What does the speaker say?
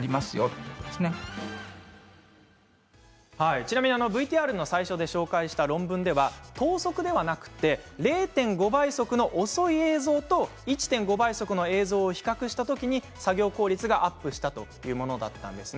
ちなみにＶＴＲの最初で紹介した論文では等速ではなくて０．５倍速の遅い映像と１．５倍速の映像を比較した時に作業効率がアップしたというものだったんですね。